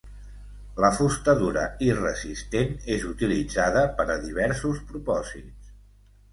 La fusta dura i resistent és utilitzada per a diversos propòsits.